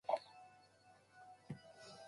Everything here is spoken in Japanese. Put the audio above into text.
家のバジルから、良い香りが漂ってきます。